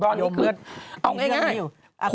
ตอนนี้คือเอาง่าย